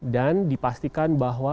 dan dipastikan bahwa